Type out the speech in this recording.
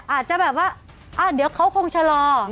อาจจะแบบว่าเดี๋ยวเขาคงชะลอ